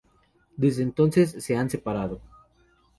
Desde entonces se han separado.